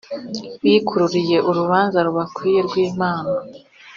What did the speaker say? bikururiye urubanza rubakwiye rw’Imana.